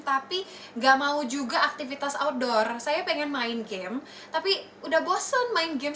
tapi nggak mau juga aktivitas outdoor saya pengen main game tapi udah bosen main game